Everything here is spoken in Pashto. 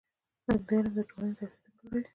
علم د ټولنې ظرفیتونه لوړوي.